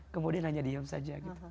kemudian hanya diem saja gitu